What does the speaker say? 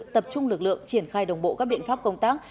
tập trung lực lượng triển khai đồng bộ các biện pháp công tác